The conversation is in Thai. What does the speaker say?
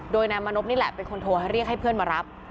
โดยนายมานพนี่แหละเป็นคนโทรเรียกให้เพื่อนมารับ